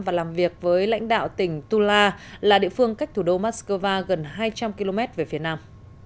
và làm việc với lãnh đạo tỉnh tula là địa phương cách thủ đô moscow gần hai trăm linh km về phía nam